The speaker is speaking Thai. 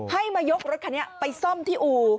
ให้มายกรถคันนี้ไปซ่อมที่อู่